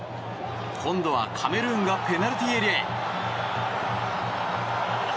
今度はカメルーンがペナルティーエリアへ。